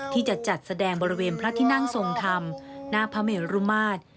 ที่จะจัดแสดงบริเวณพระที่นั่งทรงธรรมหน้าพระเมรุมาตร